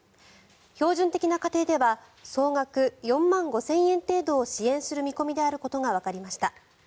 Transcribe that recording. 標準的な家庭では総額４万５０００円程度を支援する見込みであることがわかりました。